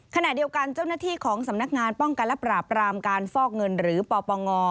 ขณะเดียวกันเจ้าหน้าที่ของสำนักงานป้องกันและปราบรามการฟอกเงินหรือปปง